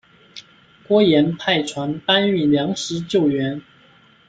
郭衍派船搬运粮食救援。